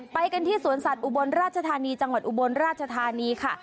ไปกันที่สวนสัตว์อุบลราชธานีจังหวัดอุบลราชธานีค่ะ